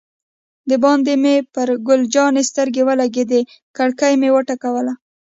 دباندې مې پر ګل جانې سترګې ولګېدې، کړکۍ مې و ټکول.